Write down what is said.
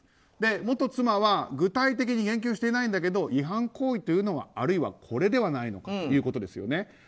元妻は具体的に言及していないんだけど違反行為というのはあるいはこれではないのかということですよね。